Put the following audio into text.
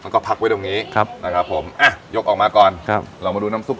ก็ผักไว้ตรงนี้ครับนะครับผมอะยกออกมาก่อนครับ